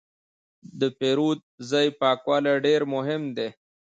د پیرود ځای پاکوالی ډېر مهم دی.